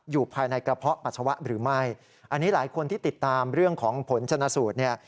อยู่ภายในกระเพาะปัสสาวะหรือไม่อันนี้หลายคนที่ติดตามเรื่องของผลชนะสูตรเนี่ย